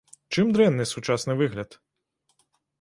Чым дрэнны сучасны выгляд?